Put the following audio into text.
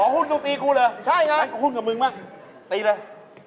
อ๋อหุ้นต้องตีกูเลยหรือตายกับหุ้นกับมึงมั้งตีเลย